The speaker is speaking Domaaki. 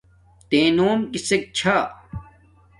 تݺ نݸم کِسݵک چھݳ؟